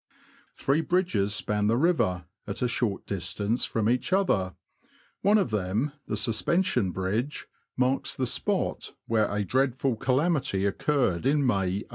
Three bridges span the river, at a short distance from each other; one of them — the Suspension Bride — marks the spot where a dreadful calamity occurred in May, 1845.